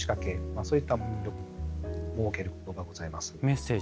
そういったものを設けることがございます。